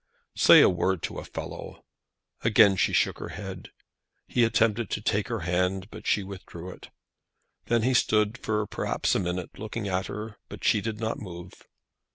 "Say a word to a fellow." Again she shook her head. He attempted to take her hand, but she withdrew it. Then he stood for perhaps a minute looking at her, but she did not move.